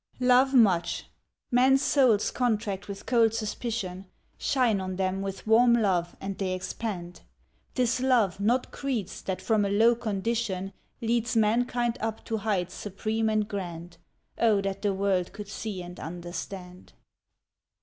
Love much. Mens' souls contract with cold suspicion: Shine on them with warm love, and they expand. 'Tis love, not creeds, that from a low condition Leads mankind up to heights supreme and grand. Oh, that the world could see and understand!